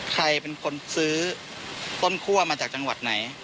ใครเป็นคนซื้อต้นคั่วมาจากจังหวัดไหน